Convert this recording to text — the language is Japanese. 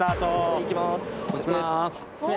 いきます。